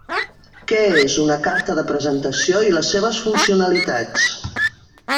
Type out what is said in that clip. Què és una carta de presentació i les seves funcionalitats.